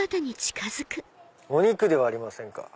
お肉ではありませんか！